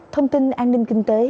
thông tin an ninh kinh tế